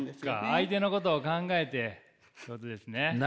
相手のことを考えてってことですね。